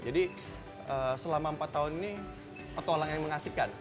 jadi selama empat tahun ini petualang yang mengasikkan